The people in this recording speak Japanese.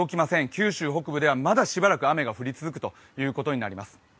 九州北部ではまだしばらく雨が降り続くとなっています。